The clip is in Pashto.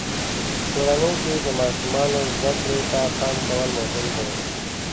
په کورنۍ کې د ماشومانو زده کړې ته پام کول مهم دي.